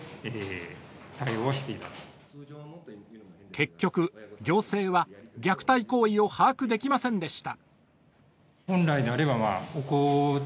結局、行政は虐待行為を把握できませんでした。